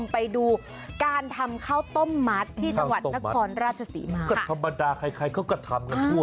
ไปดูการทำข้าวต้มมัดที่สวรรค์นครราชศรีมาค่ะก็ธรรมดาคล้ายคล้ายเขาก็ทำกันทั่ว